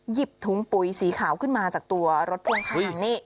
หยิบถุงปุ๋ยสีขาวขึ้นมาจากตัวรถพ่วงข้างนี่